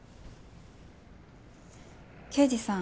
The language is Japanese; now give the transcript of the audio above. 刑事さん